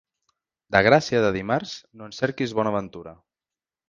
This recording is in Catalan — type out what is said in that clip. De gràcia de dimarts no en cerquis bona ventura.